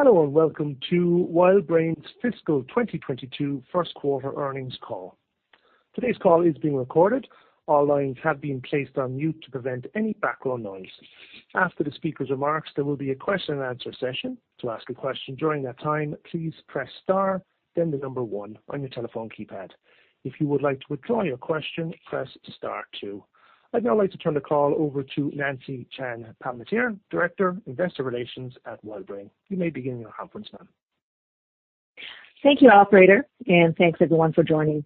Hello, and welcome to WildBrain's fiscal 2022 first quarter earnings call. Today's call is being recorded. All lines have been placed on mute to prevent any background noise. After the speaker's remarks, there will be a question-and-answer session. To ask a question during that time, please press star then the number one on your telephone keypad. If you would like to withdraw your question, press star two. I'd now like to turn the call over to Nancy Chan-Palmateer, Director, Investor Relations at WildBrain. You may begin your conference now. Thank you, operator, and thanks everyone for joining.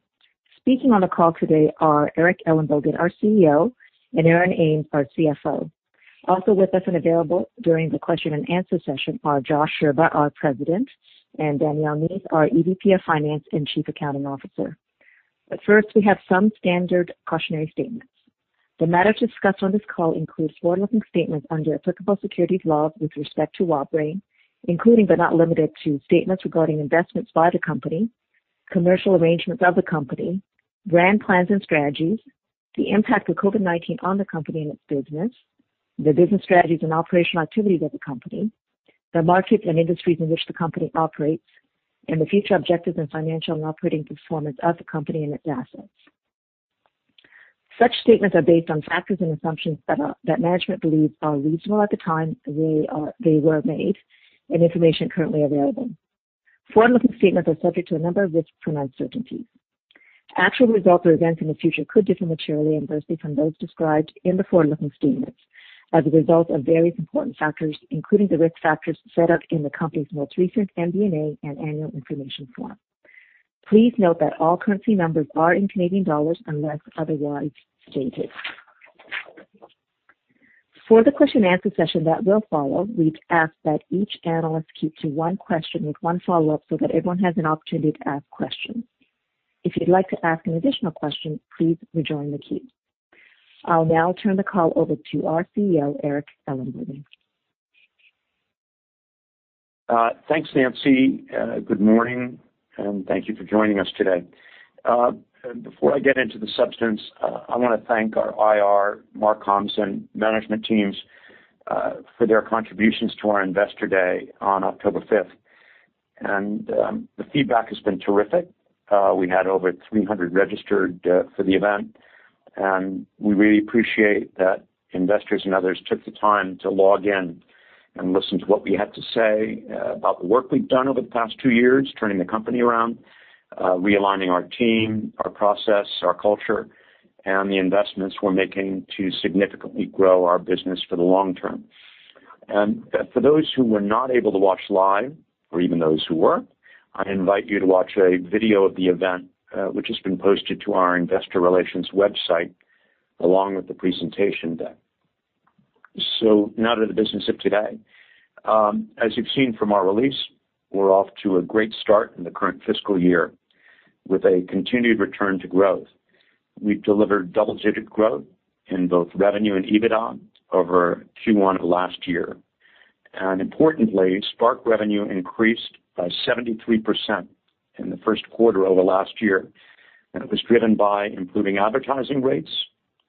Speaking on the call today are Eric Ellenbogen, our CEO, and Aaron Ames, our CFO. Also with us and available during the question-and-answer session are Josh Scherba, our President, and Danielle Neath, our EVP of Finance and Chief Accounting Officer. First, we have some standard cautionary statements. The matter discussed on this call includes forward-looking statements under applicable securities laws with respect to WildBrain, including but not limited to statements regarding investments by the company, commercial arrangements of the company, grand plans and strategies, the impact of COVID-19 on the company and its business, the business strategies and operational activities of the company, the markets and industries in which the company operates, and the future objectives and financial and operating performance of the company and its assets. Such statements are based on factors and assumptions that management believes are reasonable at the time they were made and information currently available. Forward-looking statements are subject to a number of risks and uncertainties. Actual results or events in the future could differ materially and adversely from those described in the forward-looking statements as a result of various important factors, including the risk factors set out in the company's most recent MD&A and annual information form. Please note that all currency numbers are in Canadian dollars unless otherwise stated. For the question-and-answer session that will follow, we ask that each analyst keep to one question with one follow-up so that everyone has an opportunity to ask questions. If you'd like to ask an additional question, please rejoin the queue. I'll now turn the call over to our CEO, Eric Ellenbogen. Thanks, Nancy. Good morning, and thank you for joining us today. Before I get into the substance, I wanna thank our IR, marcomms and management teams for their contributions to our Investor Day on October 5th. The feedback has been terrific. We had over 300 registered for the event, and we really appreciate that investors and others took the time to log in and listen to what we had to say about the work we've done over the past two years, turning the company around, realigning our team, our process, our culture and the investments we're making to significantly grow our business for the long term. For those who were not able to watch live, or even those who were, I invite you to watch a video of the event, which has been posted to our investor relations website, along with the presentation deck. Now to the business of today. As you've seen from our release, we're off to a great start in the current fiscal year with a continued return to growth. We've delivered double-digit growth in both revenue and EBITDA over Q1 of last year. Importantly, Spark revenue increased by 73% in the first quarter over last year, and it was driven by improving advertising rates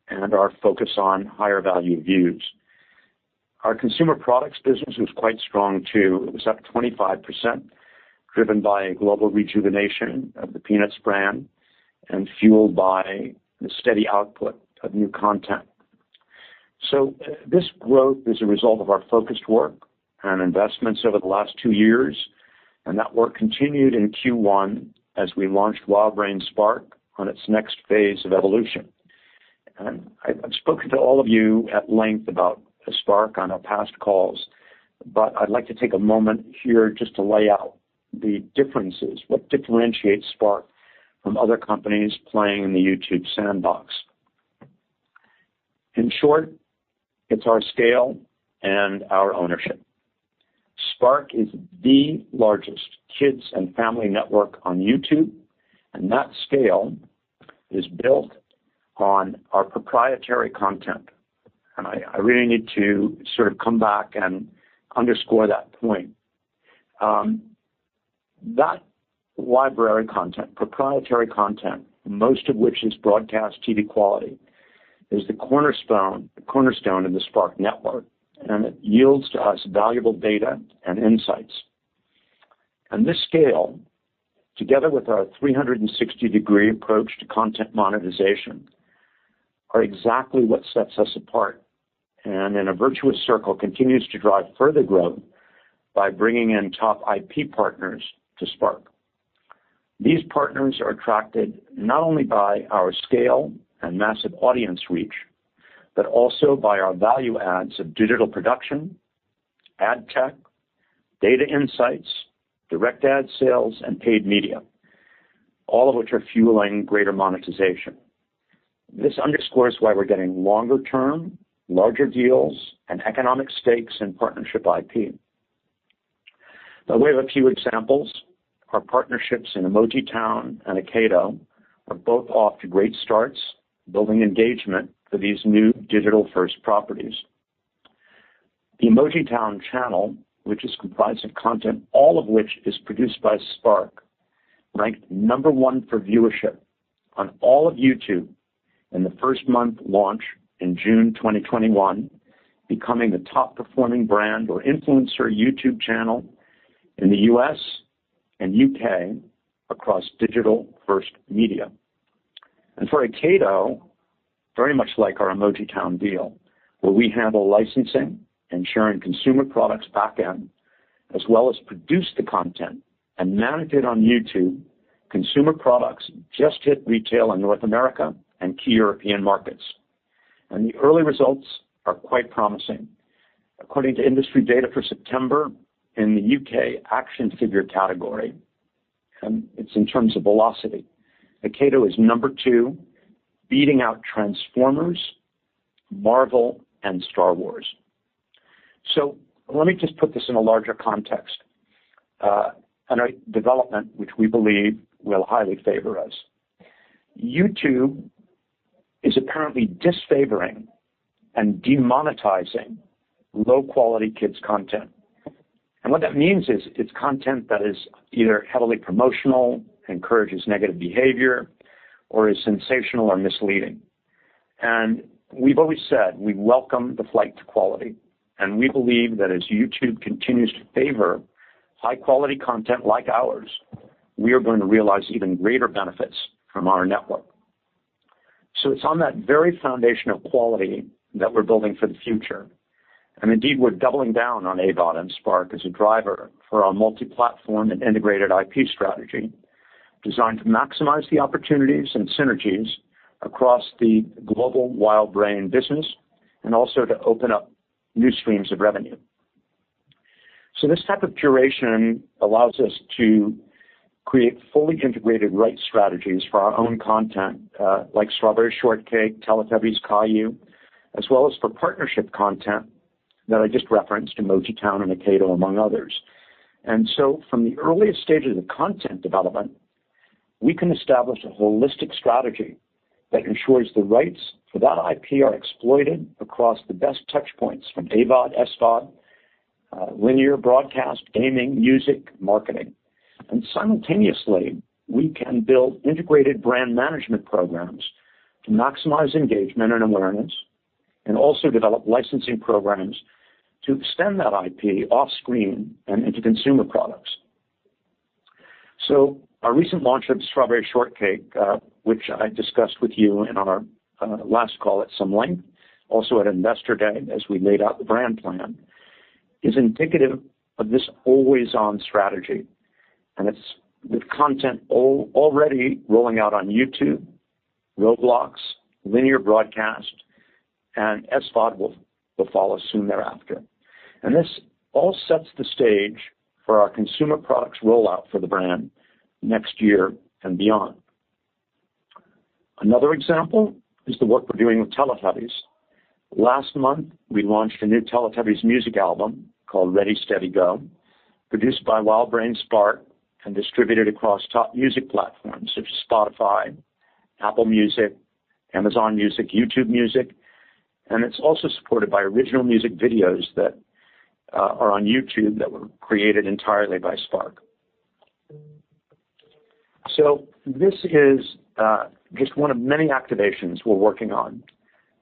and our focus on higher value views. Our consumer products business was quite strong too. It was up 25%, driven by a global rejuvenation of the Peanuts brand and fueled by the steady output of new content. This growth is a result of our focused work and investments over the last two years, and that work continued in Q1 as we launched WildBrain Spark on its next phase of evolution. I've spoken to all of you at length about Spark on our past calls, but I'd like to take a moment here just to lay out the differences, what differentiates Spark from other companies playing in the YouTube sandbox. In short, it's our scale and our ownership. Spark is the largest kids and family network on YouTube, and that scale is built on our proprietary content. I really need to sort of come back and underscore that point. That library content, proprietary content, most of which is broadcast TV quality, is the cornerstone of the Spark network, and it yields to us valuable data and insights. This scale, together with our 360-degree approach to content monetization, are exactly what sets us apart, and in a virtuous circle, continues to drive further growth by bringing in top IP partners to Spark. These partners are attracted not only by our scale and massive audience reach, but also by our value adds of digital production, ad tech, data insights, direct ad sales, and paid media, all of which are fueling greater monetization. This underscores why we're getting longer term, larger deals and economic stakes in partnership IP. By way of a few examples, our partnerships in emojitown and Akedo are both off to great starts, building engagement for these new digital-first properties. The emojitown channel, which is comprised of content, all of which is produced by Spark. Ranked number one for viewership on all of YouTube in the first-month launch in June 2021, becoming the top performing brand or influencer YouTube channel in the U.S. and U.K. across digital-first media. For Akedo, very much like our emojitown deal, where we handle licensing and sharing consumer products back-end, as well as produce the content and manage it on YouTube, consumer products just hit retail in North America and key European markets, and the early results are quite promising. According to industry data for September in the U.K. action figure category, and it's in terms of velocity, Akedo is number two, beating out Transformers, Marvel, and Star Wars. Let me just put this in a larger context, and a development which we believe will highly favor us. YouTube is apparently disfavoring and demonetizing low quality kids content. What that means is it's content that is either heavily promotional, encourages negative behavior, or is sensational or misleading. We've always said we welcome the flight to quality, and we believe that as YouTube continues to favor high quality content like ours, we are going to realize even greater benefits from our network. It's on that very foundation of quality that we're building for the future. Indeed, we're doubling down on AVOD and Spark as a driver for our multi-platform and integrated IP strategy designed to maximize the opportunities and synergies across the global WildBrain business and also to open up new streams of revenue. This type of curation allows us to create fully integrated rights strategies for our own content, like Strawberry Shortcake, Teletubbies, Caillou, as well as for partnership content that I just referenced, emojitown and Akedo, among others. From the earliest stages of content development, we can establish a holistic strategy that ensures the rights for that IP are exploited across the best touch points from AVOD, SVOD, linear broadcast, gaming, music, marketing. Simultaneously, we can build integrated brand management programs to maximize engagement and awareness, and also develop licensing programs to extend that IP off screen and into consumer products. Our recent launch of Strawberry Shortcake, which I discussed with you in our last call at some length, also at Investor Day as we laid out the brand plan, is indicative of this always-on strategy. It starts with content already rolling out on YouTube, Roblox, linear broadcast, and SVOD will follow soon thereafter. This all sets the stage for our consumer products rollout for the brand next year and beyond. Another example is the work we're doing with Teletubbies. Last month, we launched a new Teletubbies music album called Ready, Steady, Go!, produced by WildBrain Spark and distributed across top music platforms such as Spotify, Apple Music, Amazon Music, YouTube Music. It's also supported by original music videos that are on YouTube that were created entirely by Spark. This is just one of many activations we're working on,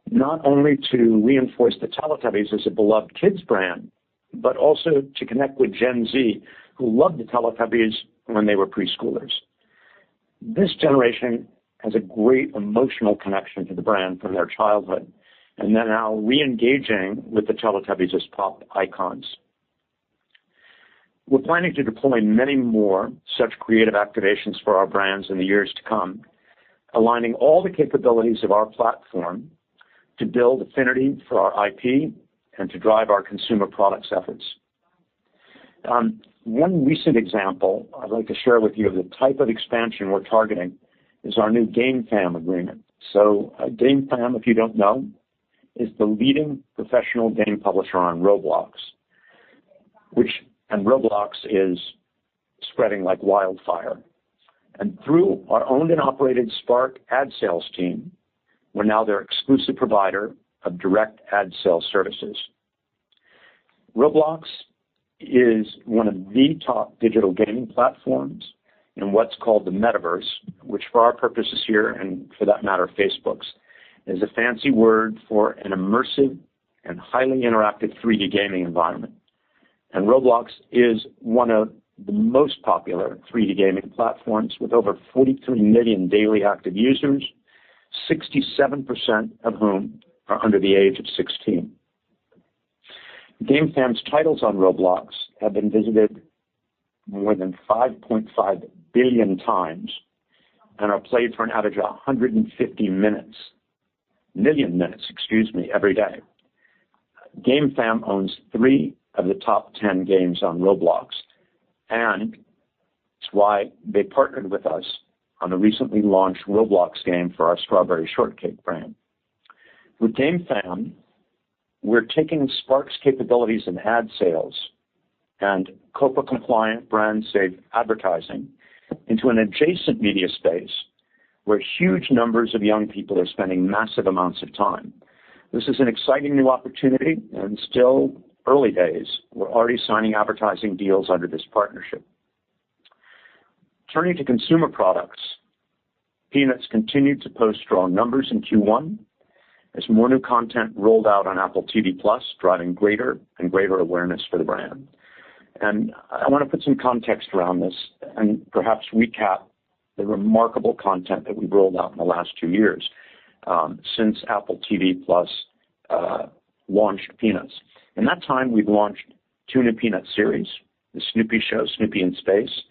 not only to reinforce the Teletubbies as a beloved kids brand, but also to connect with Gen Z, who loved the Teletubbies when they were preschoolers. This generation has a great emotional connection to the brand from their childhood and they're now re-engaging with the Teletubbies as pop icons. We're planning to deploy many more such creative activations for our brands in the years to come, aligning all the capabilities of our platform to build affinity for our IP and to drive our consumer products efforts. One recent example I'd like to share with you of the type of expansion we're targeting is our new Gamefam agreement. Gamefam, if you don't know, is the leading professional game publisher on Roblox. Roblox is spreading like wildfire. Through our owned and operated Spark ad sales team, we're now their exclusive provider of direct ad sales services. Roblox is one of the top digital gaming platforms in what's called the metaverse, which for our purposes here, and for that matter Facebook's, is a fancy word for an immersive and highly interactive 3D gaming environment. Roblox is one of the most popular 3D gaming platforms, with over 43 million daily active users, 67% of whom are under the age of 16. Gamefam's titles on Roblox have been visited more than 5.5 billion times and are played for an average of 150 million minutes, excuse me, every day. Gamefam owns three of the top 10 games on Roblox, and it's why they partnered with us on the recently launched Roblox game for our Strawberry Shortcake brand. With Gamefam, we're taking Spark's capabilities in ad sales and COPPA-compliant brand safe advertising into an adjacent media space where huge numbers of young people are spending massive amounts of time. This is an exciting new opportunity and still early days. We're already signing advertising deals under this partnership. Turning to consumer products, Peanuts continued to post strong numbers in Q1 as more new content rolled out on Apple TV+, driving greater and greater awareness for the brand. I wanna put some context around this and perhaps recap the remarkable content that we've rolled out in the last two years, since Apple TV+ launched Peanuts. In that time, we've launched two new Peanuts series, The Snoopy Show, Snoopy in Space.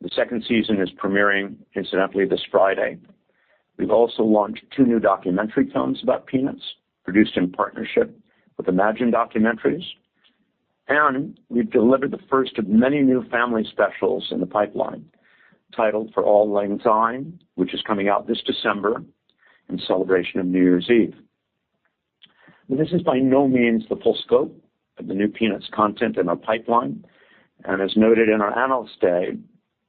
The second season is premiering incidentally this Friday. We've also launched two new documentary films about Peanuts, produced in partnership with Imagine Documentaries. We've delivered the first of many new family specials in the pipeline, titled For Auld Lang Syne, which is coming out this December in celebration of New Year's Eve. This is by no means the full scope of the new Peanuts content in our pipeline. As noted in our Analyst Day,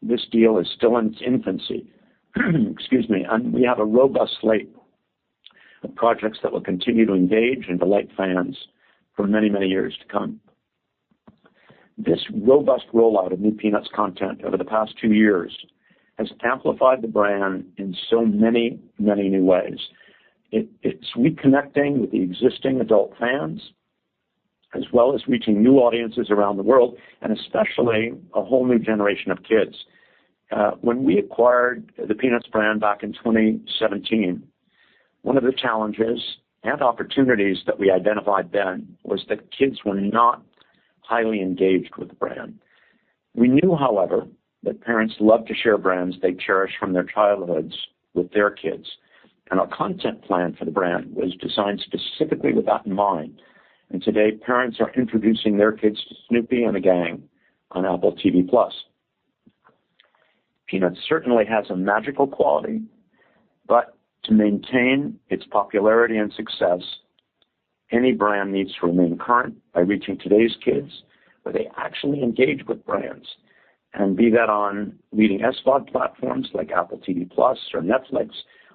this deal is still in its infancy, excuse me, and we have a robust slate of projects that will continue to engage and delight fans for many, many years to come. This robust rollout of new Peanuts content over the past two years has amplified the brand in so many, many new ways. It's reconnecting with the existing adult fans, as well as reaching new audiences around the world, and especially a whole new generation of kids. When we acquired the Peanuts brand back in 2017, one of the challenges and opportunities that we identified then was that kids were not highly engaged with the brand. We knew, however, that parents love to share brands they cherish from their childhoods with their kids, and our content plan for the brand was designed specifically with that in mind. Today, parents are introducing their kids to Snoopy and the gang on Apple TV+. Peanuts certainly has a magical quality, but to maintain its popularity and success, any brand needs to remain current by reaching today's kids where they actually engage with brands, whether that be on leading SVOD platforms like Apple TV+ or Netflix,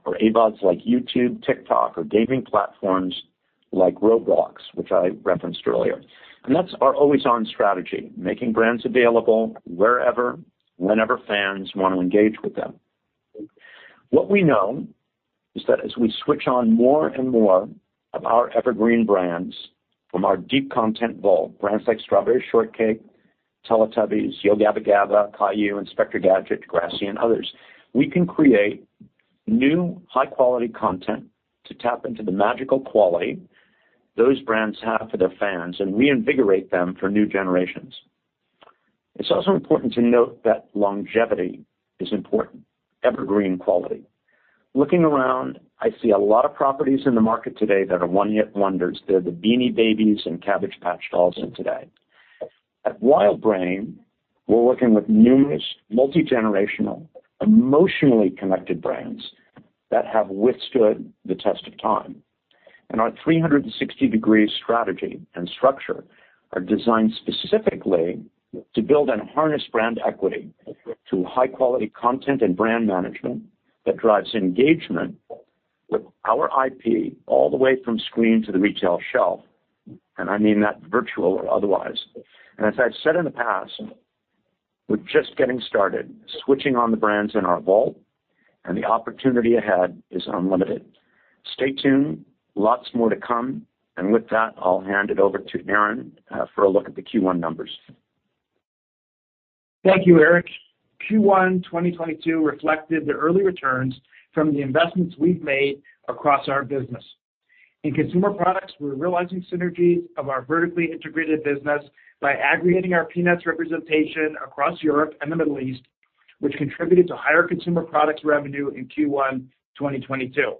or AVODs like YouTube, TikTok, or gaming platforms like Roblox, which I referenced earlier. That's our always on strategy, making brands available wherever, whenever fans wanna engage with them. What we know is that as we switch on more and more of our evergreen brands from our deep content vault, brands like Strawberry Shortcake, Teletubbies, Yo Gabba Gabba!, Caillou, Inspector Gadget, Degrassi, and others, we can create new high-quality content to tap into the magical quality those brands have for their fans and reinvigorate them for new generations. It's also important to note that longevity is important, evergreen quality. Looking around, I see a lot of properties in the market today that are one-hit wonders. They're the Beanie Babies and Cabbage Patch Kids of today. At WildBrain, we're working with numerous multi-generational, emotionally connected brands that have withstood the test of time. Our 360 degrees strategy and structure are designed specifically to build and harness brand equity through high-quality content and brand management that drives engagement with our IP all the way from screen to the retail shelf, and I mean that virtual or otherwise. As I've said in the past, we're just getting started switching on the brands in our vault, and the opportunity ahead is unlimited. Stay tuned, lots more to come. With that, I'll hand it over to Aaron for a look at the Q1 numbers. Thank you, Eric. Q1 2022 reflected the early returns from the investments we've made across our business. In consumer products, we're realizing synergies of our vertically integrated business by aggregating our Peanuts representation across Europe and the Middle East, which contributed to higher consumer products revenue in Q1 2022.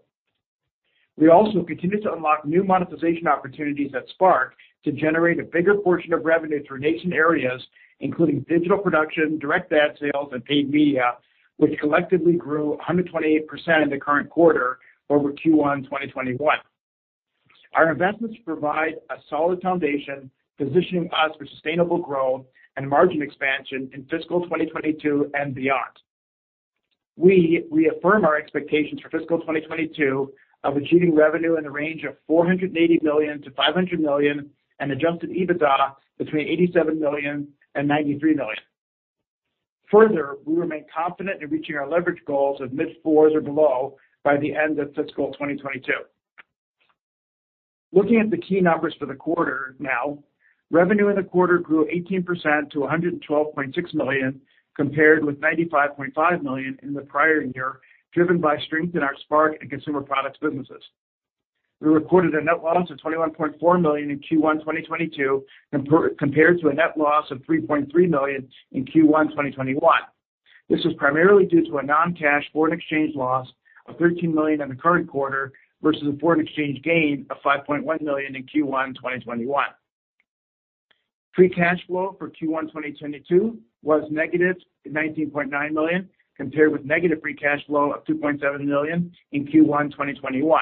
We also continued to unlock new monetization opportunities at Spark to generate a bigger portion of revenue through adjacent areas, including digital production, direct ad sales, and paid media, which collectively grew 128% in the current quarter over Q1 2021. Our investments provide a solid foundation, positioning us for sustainable growth and margin expansion in fiscal 2022 and beyond. We reaffirm our expectations for fiscal 2022 of achieving revenue in the range of 480 million-500 million and adjusted EBITDA between 87 million and 93 million. Further, we remain confident in reaching our leverage goals of mid-fours or below by the end of fiscal 2022. Looking at the key numbers for the quarter now. Revenue in the quarter grew 18% to 112.6 million, compared with 95.5 million in the prior year, driven by strength in our Spark and consumer products businesses. We recorded a net loss of 21.4 million in Q1 2022, compared to a net loss of 3.3 million in Q1 2021. This was primarily due to a non-cash foreign exchange loss of 13 million in the current quarter versus a foreign exchange gain of 5.1 million in Q1 2021. Free cash flow for Q1 2022 was -19.9 million, compared with negative free cash flow of 2.7 million in Q1 2021.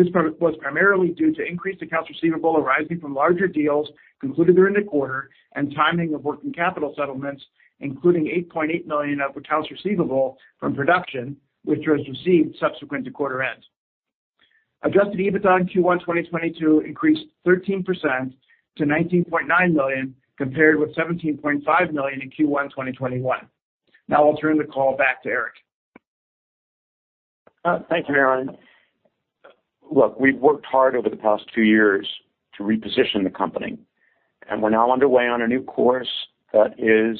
This part was primarily due to increased accounts receivable arising from larger deals concluded during the quarter and timing of working capital settlements, including 8.8 million of accounts receivable from production, which was received subsequent to quarter end. Adjusted EBITDA in Q1 2022 increased 13% to CAD 19.9 million, compared with CAD 17.5 million in Q1 2021. Now I'll turn the call back to Eric. Thank you, Aaron. Look, we've worked hard over the past two years to reposition the company, and we're now underway on a new course that is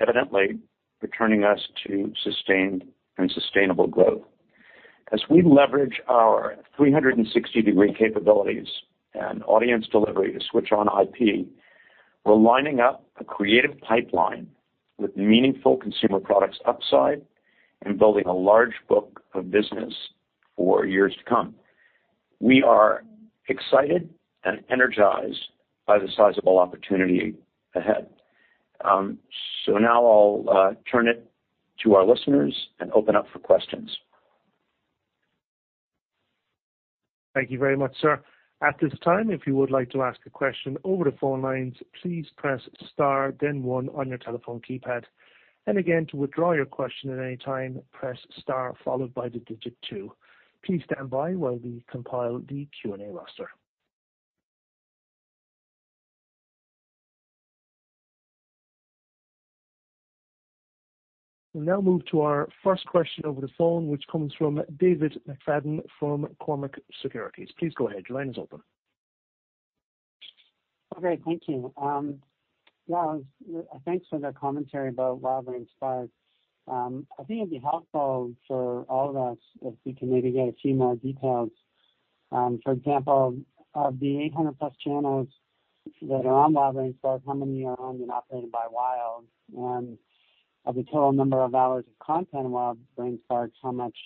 evidently returning us to sustained and sustainable growth. As we leverage our 360-degree capabilities and audience delivery to switch on IP, we're lining up a creative pipeline with meaningful consumer products upside and building a large book of business for years to come. We are excited and energized by the sizable opportunity ahead. Now I'll turn it to our listeners and open up for questions. Thank you very much, sir. At this time, if you would like to ask a question over the phone lines, please press star then one on your telephone keypad. Again, to withdraw your question at any time, press star followed by the digit two. Please stand by while we compile the Q&A roster. We now move to our first question over the phone, which comes from David McFadgen from Cormark Securities. Please go ahead. Your line is open. Great. Thank you. Yeah, thanks for the commentary about WildBrain Spark. I think it'd be helpful for all of us if we can maybe get a few more details. For example, of the 800+ channels that are on WildBrain Spark, how many are owned and operated by Wild? And of the total number of hours of content in WildBrain Spark, how much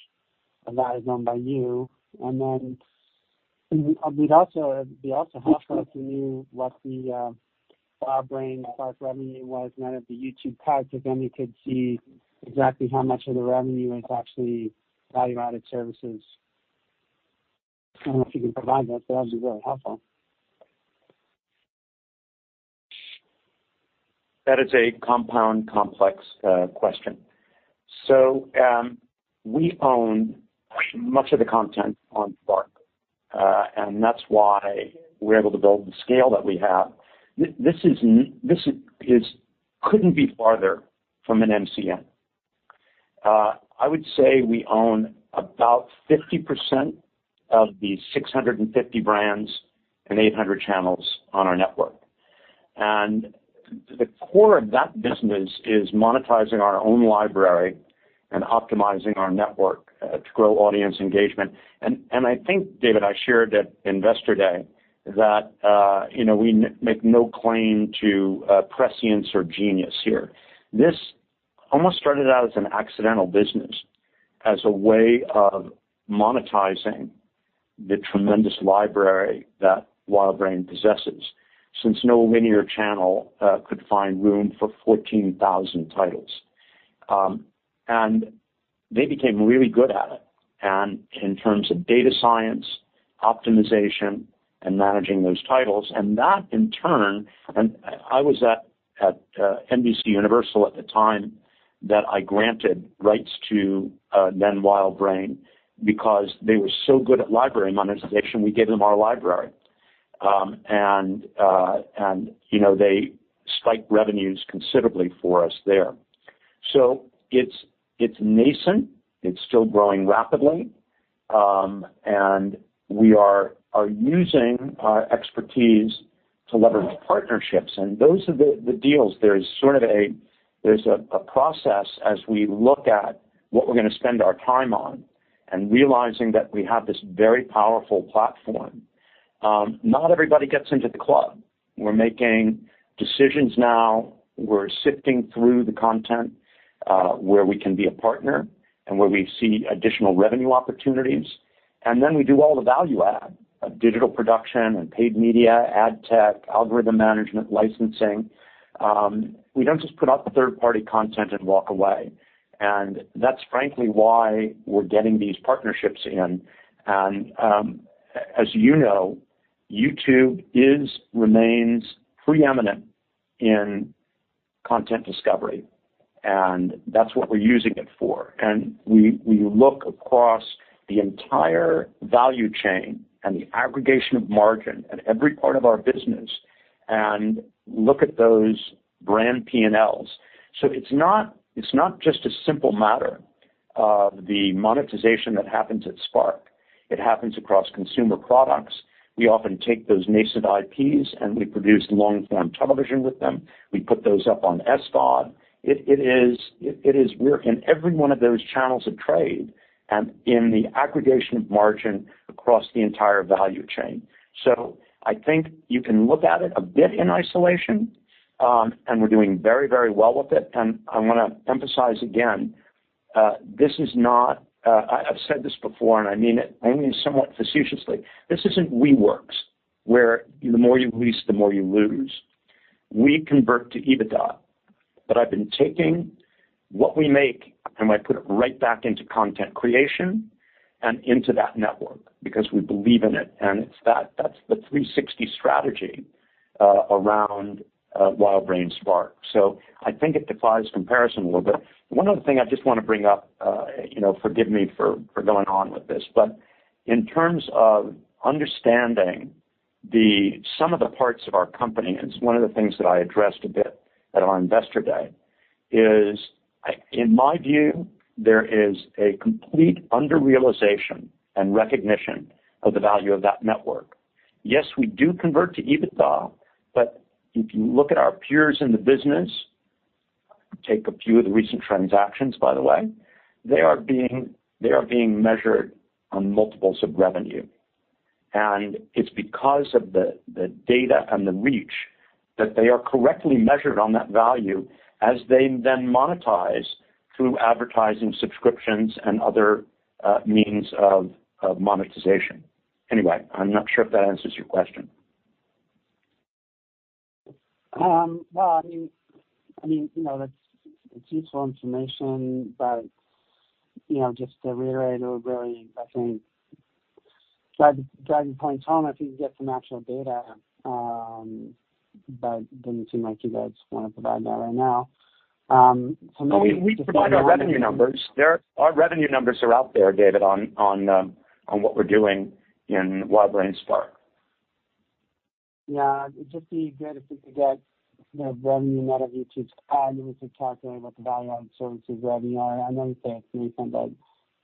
of that is owned by you? It would also be helpful to know what the WildBrain Spark revenue was and out of the YouTube cuts, so then we could see exactly how much of the revenue is actually value-added services. I don't know if you can provide that, but that would be really helpful. That is a compound complex question. We own much of the content on Spark, and that's why we're able to build the scale that we have. This couldn't be farther from an MCN. I would say we own about 50% of the 650 brands and 800 channels on our network. The core of that business is monetizing our own library and optimizing our network to grow audience engagement. I think, David, I shared at Investor Day that you know, we make no claim to prescience or genius here. This almost started out as an accidental business as a way of monetizing the tremendous library that WildBrain possesses since no linear channel could find room for 14,000 titles. They became really good at it in terms of data science, optimization, and managing those titles. That in turn, I was at NBCUniversal at the time that I granted rights to then WildBrain because they were so good at library monetization. We gave them our library. You know, they spiked revenues considerably for us there. It's nascent. It's still growing rapidly. We are using our expertise to leverage partnerships. Those are the deals. There's sort of a process as we look at what we're gonna spend our time on and realizing that we have this very powerful platform. Not everybody gets into the club. We're making decisions now. We're sifting through the content, where we can be a partner and where we see additional revenue opportunities. We do all the value add of digital production and paid media, ad tech, algorithm management, licensing. We don't just put out the third-party content and walk away. That's frankly why we're getting these partnerships in. As you know, YouTube remains preeminent in content discovery, and that's what we're using it for. We look across the entire value chain and the aggregation of margin in every part of our business and look at those brand P&Ls. It's not just a simple matter of the monetization that happens at Spark. It happens across consumer products. We often take those nascent IPs, and we produce long-form television with them. We put those up on SVOD. It is. We're in every one of those channels of trade and in the aggregation of margin across the entire value chain. I think you can look at it a bit in isolation, and we're doing very, very well with it. I wanna emphasize again, this is not. I've said this before, and I mean it only somewhat facetiously. This isn't WeWork, where the more you lease, the more you lose. We convert to EBITDA. I've been taking what we make, and I put it right back into content creation and into that network because we believe in it. It's that's the 360 strategy around WildBrain Spark. I think it defies comparison a little bit. One other thing I just wanna bring up, you know, forgive me for going on with this, but in terms of understanding some of the parts of our company, and it's one of the things that I addressed a bit at our investor day, is, in my view, there is a complete under-realization and recognition of the value of that network. Yes, we do convert to EBITDA, but if you look at our peers in the business, take a few of the recent transactions, by the way, they are being measured on multiples of revenue. It's because of the data and the reach that they are correctly measured on that value as they then monetize through advertising subscriptions and other means of monetization. Anyway, I'm not sure if that answers your question. Well, I mean, you know, that's. It's useful information, but, you know, just to reiterate or really, I think, drive the point home if you can get some actual data, but doesn't seem like you guys wanna provide that right now. So maybe just- No, we provide our revenue numbers. Our revenue numbers are out there, David, on what we're doing in WildBrain Spark. Yeah. It'd just be good if we could get, you know, revenue out of each of these categories to calculate what the value-added services revenue are. I know you say it's meaningful, but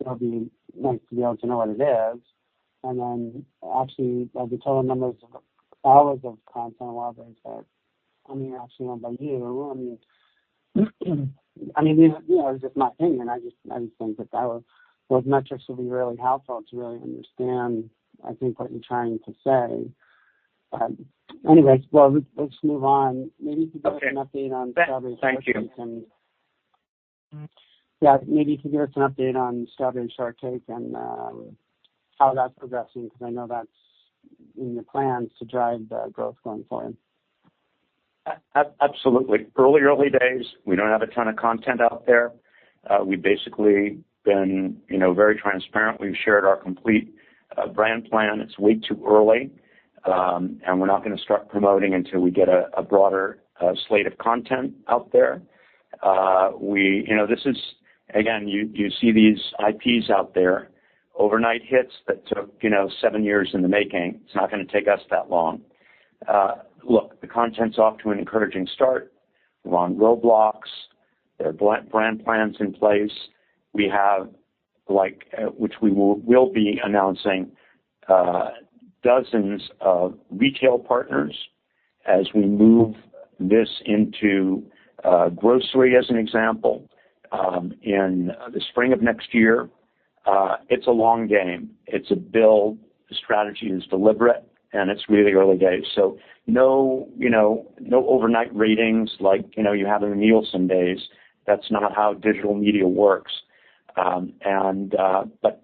it'll be nice to be able to know what it is. Then actually, like the total numbers of hours of content in WildBrain Spark, I mean, actually owned by you. I mean, you know, it's just my opinion. I just, I think that those metrics would be really helpful to really understand, I think, what you're trying to say. Anyways, well, let's move on. Maybe you could give us an update on Strawberry Shortcake and Okay. Thank you. Yeah. Maybe you could give us an update on Strawberry Shortcake and how that's progressing, 'cause I know that's in the plans to drive the growth going forward. Absolutely. Early days, we don't have a ton of content out there. We've basically been, you know, very transparent. We've shared our complete brand plan. It's way too early, and we're not gonna start promoting until we get a broader slate of content out there. You know, this is again, you see these IPs out there, overnight hits that took, you know, seven years in the making. It's not gonna take us that long. Look, the content's off to an encouraging start. We're on Roblox. There are brand plans in place. We have like, which we will be announcing, dozens of retail partners as we move this into grocery as an example, in the spring of next year. It's a long game. It's a build. The strategy is deliberate, and it's really early days. No, you know, no overnight ratings like, you know, you have in the Nielsen days. That's not how digital media works.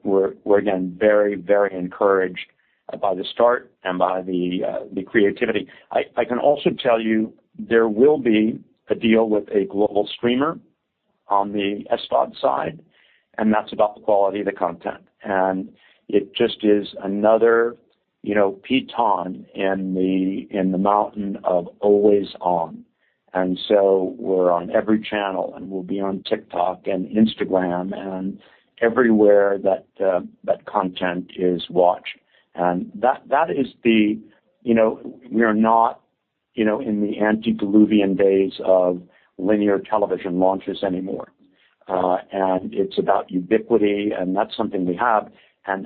We're again very, very encouraged by the start and by the creativity. I can also tell you there will be a deal with a global streamer on the SVOD side, and that's about the quality of the content. It just is another, you know, piton in the mountain of always on. We're on every channel, and we'll be on TikTok and Instagram and everywhere that content is watched. That is the. You know, we are not, you know, in the antediluvian days of linear television launches anymore. It's about ubiquity, and that's something we have.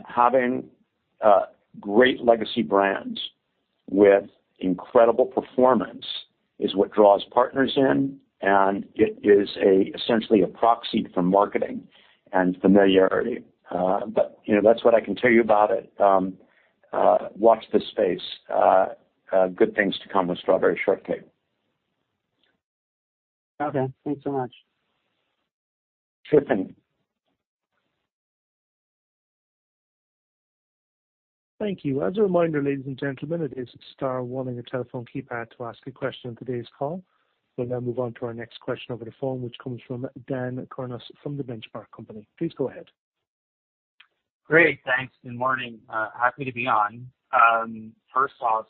Having great legacy brands with incredible performance is what draws partners in, and it is essentially a proxy for marketing and familiarity. Good things to come with Strawberry Shortcake. Okay, thanks so much. Trippon. Thank you. As a reminder, ladies and gentlemen, it is star one on your telephone keypad to ask a question on today's call. We'll now move on to our next question over the phone, which comes from Dan Kurnos from The Benchmark Company. Please go ahead. Great. Thanks. Good morning. Happy to be on. First off,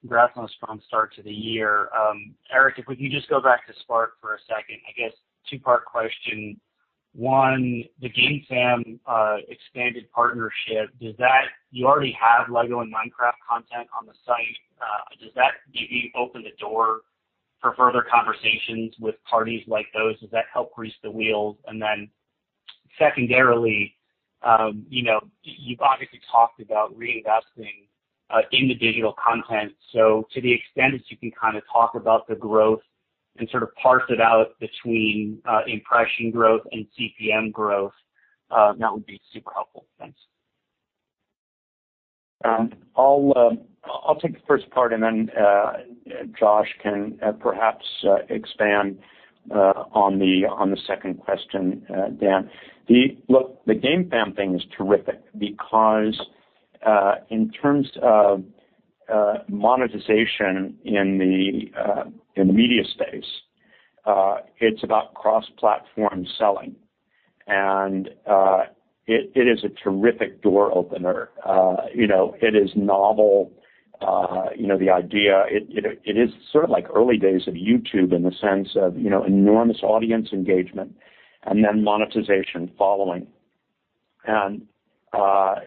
congrats on a strong start to the year. Eric, if we can just go back to Spark for a second, I guess two-part question. One, the Gamefam expanded partnership, does that. You already have LEGO and Minecraft content on the site. Does that, do you open the door for further conversations with parties like those? Does that help grease the wheels? And then secondarily, you know, you've obviously talked about reinvesting in the digital content. So to the extent that you can kinda talk about the growth and sort of parse it out between impression growth and CPM growth, that would be super helpful. Thanks. I'll take the first part, and then Josh can perhaps expand on the second question, Dan. Look, the Gamefam thing is terrific because in terms of monetization in the media space, it's about cross-platform selling. It is a terrific door opener. You know, it is novel, you know, the idea. It is sort of like early days of YouTube in the sense of you know, enormous audience engagement and then monetization following.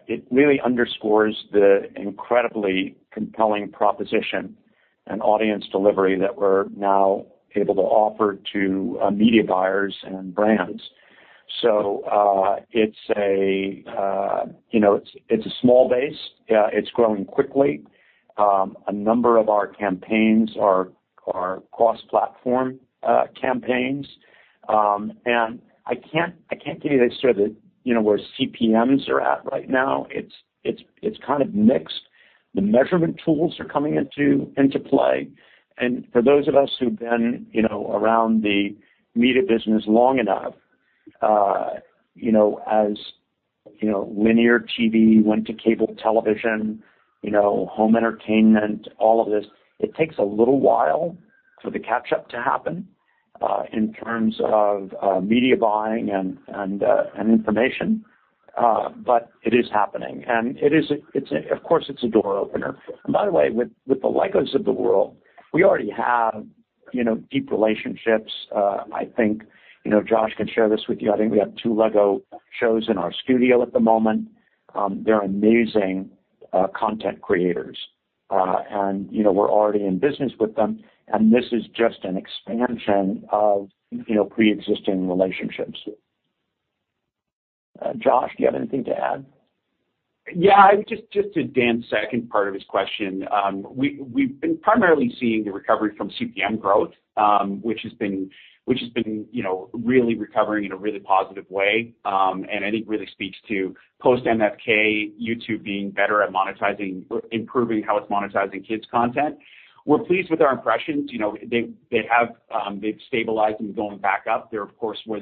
It really underscores the incredibly compelling proposition and audience delivery that we're now able to offer to media buyers and brands. You know, it's a small base. It's growing quickly. A number of our campaigns are cross-platform campaigns. I can't give you sort of, you know, where CPMs are at right now. It's kind of mixed. The measurement tools are coming into play. For those of us who've been, you know, around the media business long enough, you know, as you know, linear TV went to cable television, you know, home entertainment, all of this, it takes a little while for the catch-up to happen in terms of media buying and information. But it is happening. It is. It's, of course, a door opener. By the way, with the LEGOs of the world, we already have, you know, deep relationships. I think, you know, Josh can share this with you. I think we have two LEGO shows in our studio at the moment. They're amazing content creators. You know, we're already in business with them, and this is just an expansion of, you know, pre-existing relationships. Josh, do you have anything to add? Yeah, just to Dan's second part of his question. We've been primarily seeing the recovery from CPM growth, which has been, you know, really recovering in a really positive way. I think it really speaks to post MFK, YouTube being better at monetizing or improving how it's monetizing kids content. We're pleased with our impressions. You know, they have stabilized and going back up. There, of course, was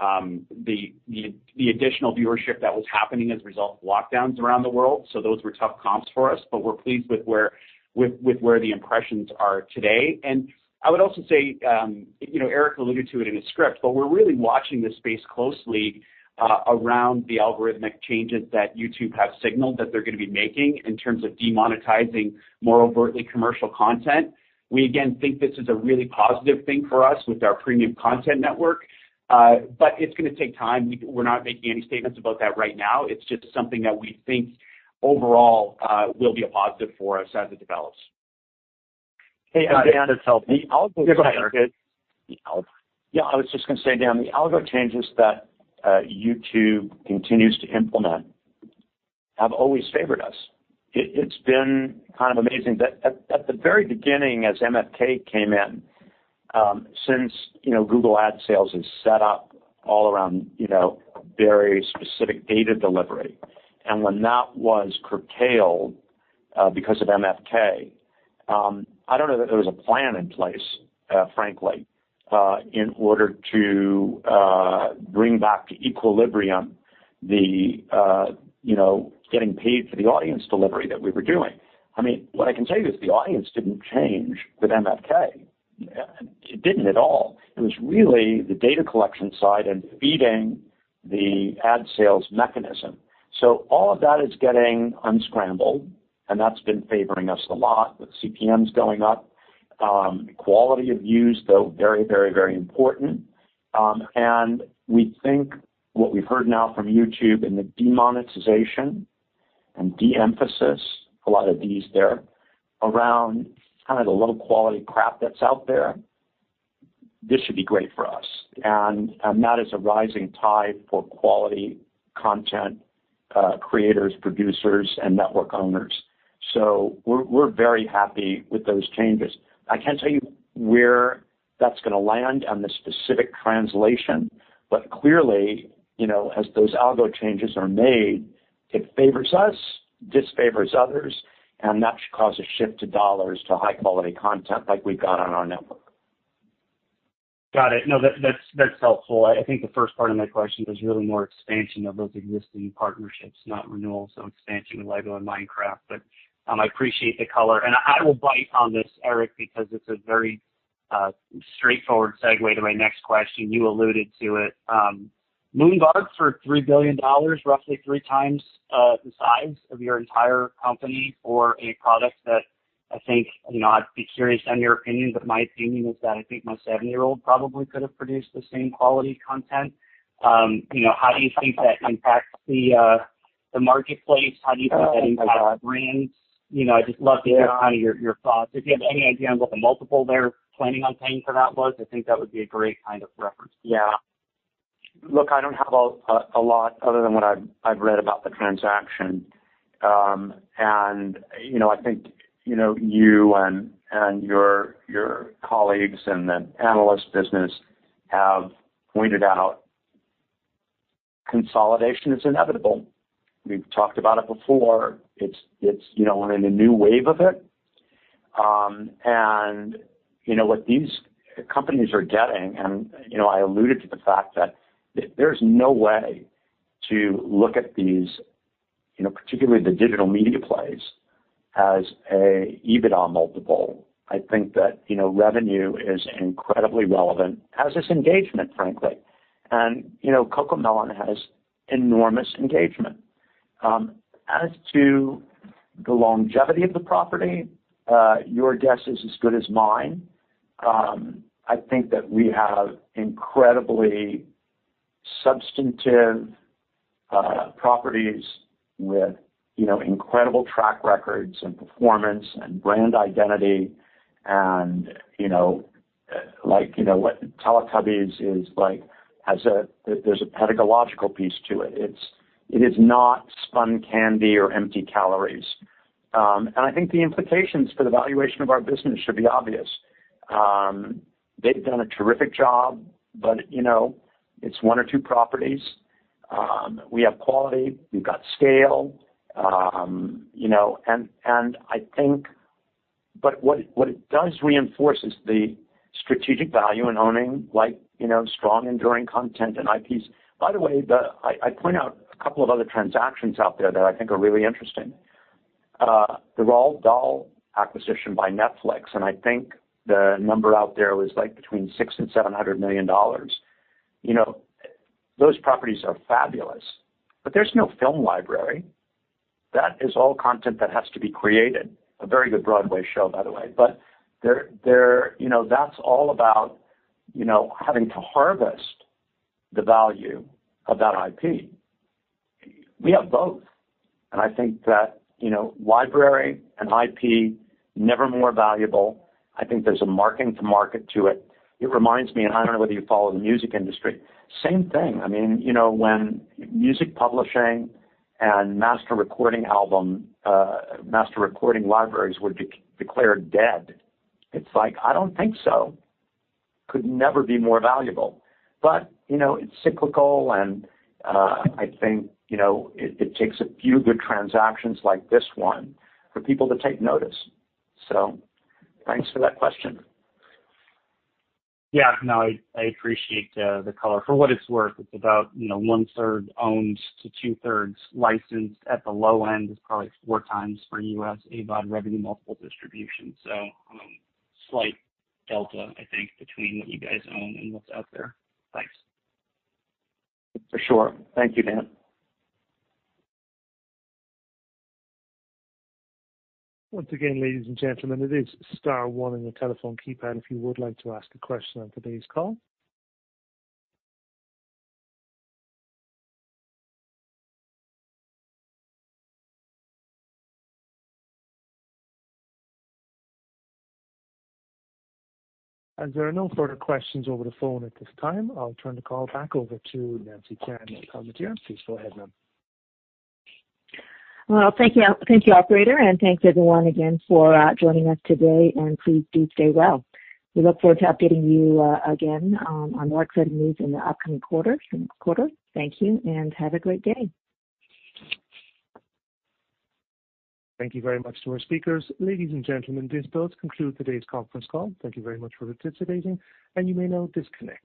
the additional viewership that was happening as a result of lockdowns around the world. So those were tough comps for us, but we're pleased with where the impressions are today. I would also say, you know, Eric alluded to it in his script, but we're really watching this space closely, around the algorithmic changes that YouTube have signaled that they're gonna be making in terms of demonetizing more overtly commercial content. We again think this is a really positive thing for us with our premium content network. But it's gonna take time. We're not making any statements about that right now. It's just something that we think overall, will be a positive for us as it develops. Hey, Dan. That's helpful. The algo- Go ahead, Eric. Yeah, I was just gonna say, Dan, the algo changes that YouTube continues to implement have always favored us. It's been kind of amazing that at the very beginning, as MFK came in, since, you know, Google Ad Sales is set up all around, you know, very specific data delivery. When that was curtailed because of MFK, I don't know that there was a plan in place, frankly, in order to bring back to equilibrium the, you know, getting paid for the audience delivery that we were doing. I mean, what I can tell you is the audience didn't change with MFK. It didn't at all. It was really the data collection side and feeding the ad sales mechanism. All of that is getting unscrambled, and that's been favoring us a lot with CPMs going up. Quality of views, though, very important. We think what we've heard now from YouTube in the demonetization and de-emphasis, a lot of these there, around kind of the low-quality crap that's out there, this should be great for us. That is a rising tide for quality content, creators, producers, and network owners. We're very happy with those changes. I can't tell you where that's gonna land on the specific translation. Clearly, you know, as those algo changes are made, it favors us, disfavors others, and that should cause a shift to dollars to high-quality content like we've got on our network. Got it. No, that's helpful. I think the first part of my question was really more expansion of those existing partnerships, not renewals, so expansion with LEGO and Minecraft. I appreciate the color. I will bite on this, Eric, because it's a very straightforward segue to my next question. You alluded to it. Moonbug for $3 billion, roughly 3 times the size of your entire company for a product that I think, you know, I'd be curious on your opinion, but my opinion is that I think my 7-year-old probably could have produced the same quality content. You know, how do you think that impacts the marketplace? How do you think that impacts brands? I'd just love to get kind of your thoughts. If you have any idea on what the multiple they're planning on paying for that was, I think that would be a great kind of reference. Yeah. Look, I don't have a lot other than what I've read about the transaction. You know, I think you and your colleagues in the analyst business have pointed out consolidation is inevitable. We've talked about it before. It's you know, we're in a new wave of it. You know, what these companies are getting, you know, I alluded to the fact that there's no way to look at these, you know, particularly the digital media plays as an EBITDA multiple. I think that, you know, revenue is incredibly relevant as is engagement, frankly. You know, CoComelon has enormous engagement. As to the longevity of the property, your guess is as good as mine. I think that we have incredibly substantive properties with, you know, incredible track records and performance and brand identity and, you know, like, you know what Teletubbies is like, there's a pedagogical piece to it. It is not spun candy or empty calories. I think the implications for the valuation of our business should be obvious. They've done a terrific job, but, you know, it's one or two properties. We have quality. We've got scale. I think what it does reinforce is the strategic value in owning like, you know, strong enduring content and IPs. By the way, I point out a couple of other transactions out there that I think are really interesting. The Roald Dahl acquisition by Netflix, and I think the number out there was, like, between $600 million and $700 million. You know, those properties are fabulous, but there's no film library. That is all content that has to be created. A very good Broadway show, by the way. But they're, you know, that's all about, you know, having to harvest the value of that IP. We have both, and I think that, you know, library and IP, never more valuable. I think there's a marking to market to it. It reminds me, and I don't know whether you follow the music industry. Same thing. I mean, you know, when music publishing and master recording album, master recording libraries were declared dead, it's like, I don't think so. Could never be more valuable. You know, it's cyclical and, I think, you know, it takes a few good transactions like this one for people to take notice. Thanks for that question. Yeah. No, I appreciate the color. For what it's worth, it's about, you know, one-third owned to two-thirds licensed at the low end. It's probably 4x for U.S. AVOD revenue multiple distribution. Slight delta, I think, between what you guys own and what's out there. Thanks. For sure. Thank you, Dan. Once again, ladies and gentlemen, it is star one on your telephone keypad if you would like to ask a question on today's call. As there are no further questions over the phone at this time, I'll turn the call back over to Nancy Chan-Palmateer, our commentator. Please go ahead, ma'am. Well, thank you. Thank you, operator, and thanks everyone again for joining us today, and please do stay well. We look forward to updating you again on our exciting news in the upcoming quarter, second quarter. Thank you, and have a great day. Thank you very much to our speakers. Ladies and gentlemen, this does conclude today's conference call. Thank you very much for participating, and you may now disconnect.